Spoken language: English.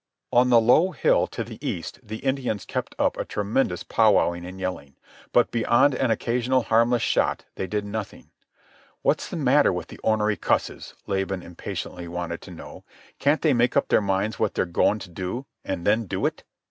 On the low hill to the east the Indians kept up a tremendous powwowing and yelling. But beyond an occasional harmless shot they did nothing. "What's the matter with the ornery cusses?" Laban impatiently wanted to know. "Can't they make up their minds what they're goin' to do, an' then do it?"